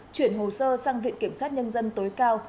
chuyển hồ sơ sang viện kiểm sát nhân dân tối cao